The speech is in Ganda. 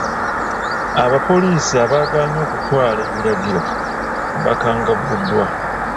Abapoliisi abaagaanye okutwala ebiragiro bakangavvuddwa.